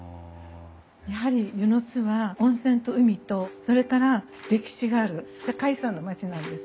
やはり温泉津は温泉と海とそれから歴史がある世界遺産の町なんですね。